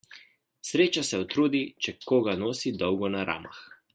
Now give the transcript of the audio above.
Sreča se utrudi, če koga nosi dolgo na ramah.